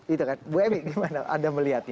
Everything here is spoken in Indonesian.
itu kan bu emy gimana anda melihatnya